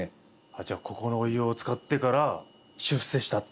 じゃあここのお湯をつかってから出世したと。